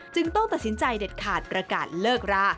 ต้องตัดสินใจเด็ดขาดประกาศเลิกรา